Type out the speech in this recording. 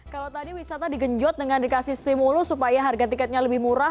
kalau tadi wisata digenjot dengan dikasih stimulus supaya harga tiketnya lebih murah